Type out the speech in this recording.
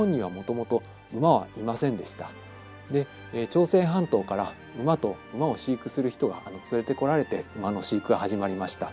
朝鮮半島から馬と馬を飼育する人が連れてこられて馬の飼育が始まりました。